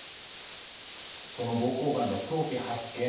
その膀胱がんの早期発見